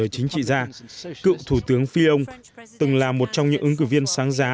trong những ứng cử viên sáng giá